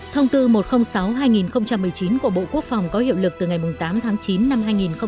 thông tư một trăm linh sáu hai nghìn một mươi chín của bộ quốc phòng có hiệu lực từ ngày tám tháng chín năm hai nghìn một mươi chín